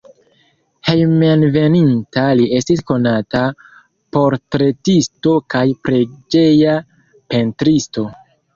Hejmenveninta li estis konata portretisto kaj preĝeja pentristo.